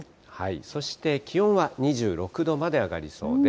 そして気温は２６度まで上がりそうです。